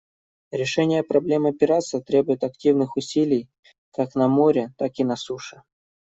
Решение проблемы пиратства требует активных усилий как на море, так и на суше.